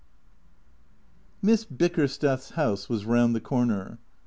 XII MISS BICKERSTETH'S house was round the corner.